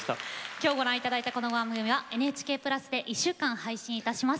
今日ご覧頂いたこの番組はＮＨＫプラスで１週間配信いたします。